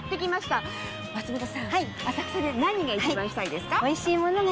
浅草で何が一番したいですか？